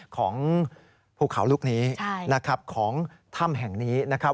ของผู้เขาลูกนี้ของถ้ำแห่งนี้นะครับ